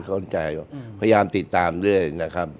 พยายามติดตามด้วยนะครับ